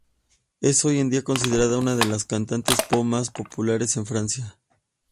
Es hoy en día considerada una de las cantantes pop más populares en Francia.